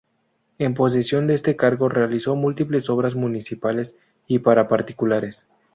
En posesión de este cargo realizó múltiples obras municipales y para particulares.